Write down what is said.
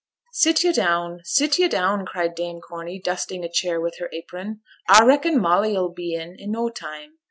'Sit yo' down, sit yo' down!' cried Dame Corney, dusting a chair with her apron; 'a reckon Molly 'll be in i' no time.